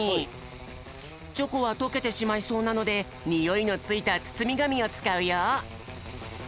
チョコはとけてしまいそうなのでにおいのついたつつみがみをつかうよ！